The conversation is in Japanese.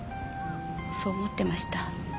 そう思ってました。